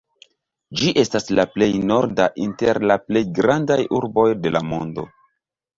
Ĝi estas la plej norda inter la plej grandaj urboj de la mondo.